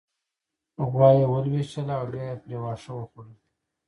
غوا يې ولوشله او بيا يې پرې واښه وخوړل